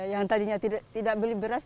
yang tadinya tidak beli beras